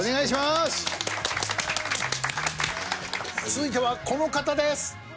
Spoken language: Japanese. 続いてはこの方です！